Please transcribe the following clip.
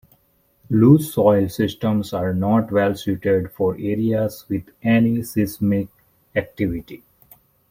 Loose soil systems are not well suited for areas with any seismic activity.